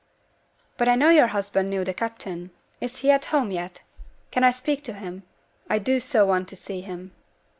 'But I know your husband knew the captain; is he at home yet? Can I speak to him? I do so want to see him.'